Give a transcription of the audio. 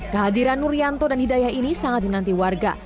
kehadiran nur yanto dan hidayah ini sangat dinanti warga